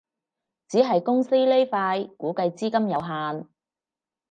只係公司呢塊估計資金有限